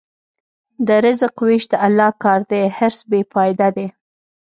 د رزق وېش د الله کار دی، حرص بېفایده دی.